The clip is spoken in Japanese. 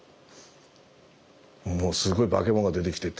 もうすごい化けもんが出てきてって。